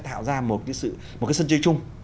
tạo ra một cái sân chơi chung